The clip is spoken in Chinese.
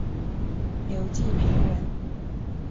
刘季平人。